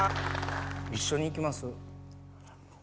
一緒に行きます。